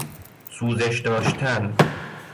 سوزش داشتن